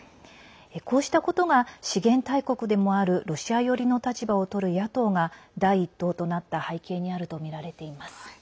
こうしたことが資源大国でもあるロシア寄りの立場をとる野党が第１党となった背景にあるとみられています。